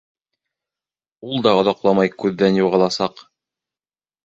Ул да оҙаҡламай күҙҙән юғаласаҡ.